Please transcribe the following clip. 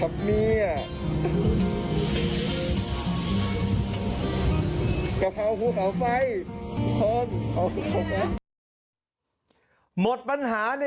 ผมเคยอ่านเจอเหมือนกัน